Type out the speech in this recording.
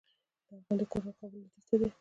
د ارغندې کوتل کابل لویدیځ ته دی